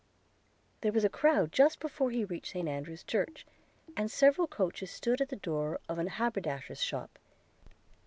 There was a crowd just before he reached St Andrew's church, and several coaches stood at the door of an haberdasher's shop.